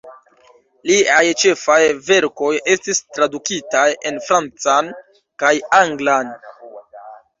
Liaj ĉefaj verkoj estis tradukitaj en francan kaj anglan.